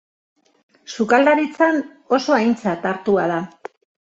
Sukaldaritzan oso aintzat hartua da.